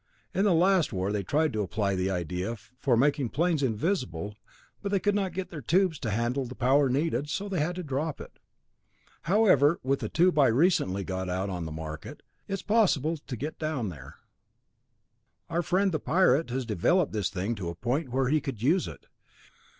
In the last war they tried to apply the idea for making airplanes invisible, but they could not get their tubes to handle the power needed, so they had to drop it. However, with the tube I recently got out on the market, it is possible to get down there. Our friend the pirate has developed this thing to a point were he could use it.